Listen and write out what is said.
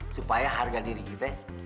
supaya harga diri kita